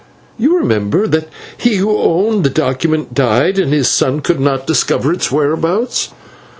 You remember that he who owned the document died, and his son could not discover its whereabouts.